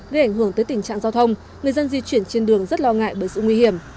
gây ảnh hưởng tới tình trạng giao thông người dân di chuyển trên đường rất lo ngại bởi sự nguy hiểm